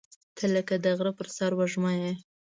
• ته لکه د غره پر سر وږمه یې.